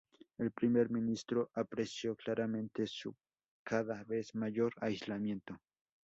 El primer ministro apreció claramente su cada vez mayor aislamiento.